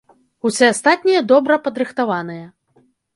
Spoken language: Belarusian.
Усе астатнія добра падрыхтаваныя.